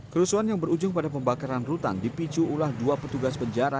kerusuhan yang berujung pada pembakaran rutan dipicu ulah dua petugas penjara